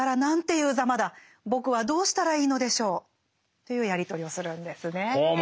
というやり取りをするんですね。